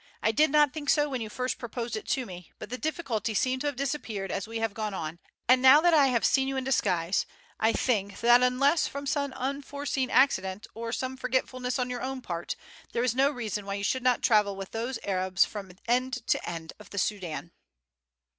I did not think so when you first proposed it to me, but the difficulties seem to have disappeared as we have gone on; and now that I have seen you in disguise, I think that, unless from some unforeseen accident, or some forgetfulness on your own part, there is no reason why you should not travel with those Arabs from end to end of the Soudan."